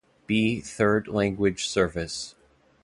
B third language service.